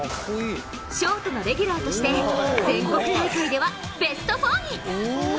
ショートのレギュラーとして全国大会ではベスト４に。